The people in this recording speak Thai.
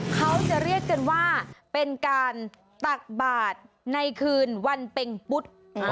เขาจะเรียกกันว่าเป็นการตักบาทในคืนวันเป็งปุ๊ด